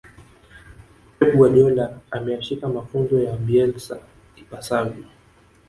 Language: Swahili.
pep guardiola ameyashika mafunzo ya bielsa ipasavyo